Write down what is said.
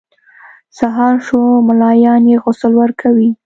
سهار شو ملایان یې غسل ورکوي.